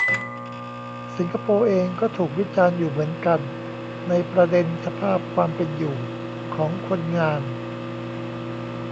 สิงคโปร์เองก็ถูกวิจารณ์อยู่เหมือนกัน ในประเด็นสภาพความเป็นอยู่ของคนงาน